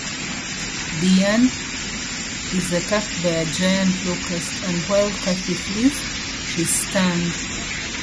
Dianne is attacked by a giant locust, and while Kathy flees, she is stung.